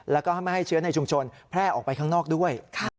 แล้วก็ไม่ให้เชื้อในชุมชนแพร่ออกไปข้างนอกด้วย